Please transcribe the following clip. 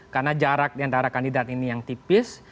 karena jarak antara kandidat ini yang tipis